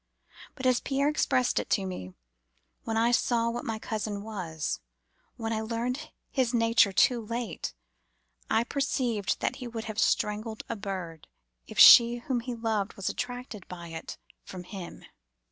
But, as Pierre expressed it to me: 'When I saw what my cousin was, when I learned his nature too late, I perceived that he would have strangled a bird if she whom he loved was attracted by it from him.